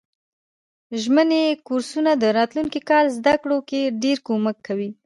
ژمني کورسونه د راتلونکي کال زده کړو کی ډیر کومک کوي.